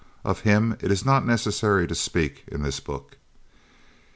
Of him it is not necessary to speak in this book.